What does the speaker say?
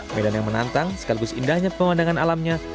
medan yang menantang sekaligus indahnya pemandangan alamnya